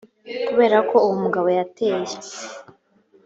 kubera ko uwo mugabo yateye